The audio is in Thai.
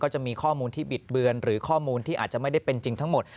จะมีข้อมูลที่บิดเบือนหรือข้อมูลที่อาจจะไม่ได้เป็นจริงทั้งหมด